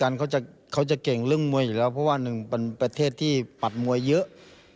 แล้วก็อเมริกันเขาจะเก่งเรื่องมวยอยู่แล้วเพราะว่าเป็นประเทศที่ปัดมวยเยอะ